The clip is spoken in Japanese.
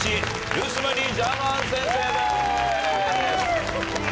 ルース・マリー・ジャーマン先生です。